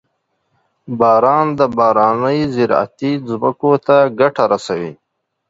• باران د بارانۍ زراعتي ځمکو ته ګټه رسوي.